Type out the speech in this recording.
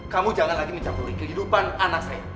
kamu jangan lagi mencampuri kehidupan anak saya